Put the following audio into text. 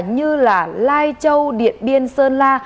như là lai châu điện biên sơn la